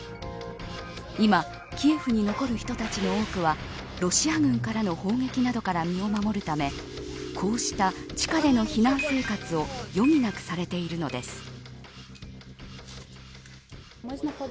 今、キエフに残る人たちの多くはロシア軍からの砲撃などから身を守るためこうした地下での避難生活を余儀なくされているのです。